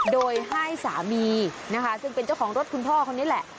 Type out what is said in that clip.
โดยให้สามีนะคะซึ่งเป็นเจ้าของรถคุณพ่อคนนี้แหละ